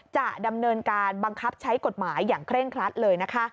จะดำเนินการบังคับใช้กฎหมายอย่างเคร่งครัดเลยนะคะ